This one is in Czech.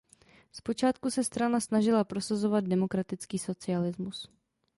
Zpočátku se strana snažila prosazovat demokratický socialismus.